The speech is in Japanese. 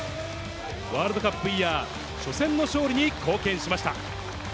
ワールドカップイヤー、初戦の勝利に貢献しました。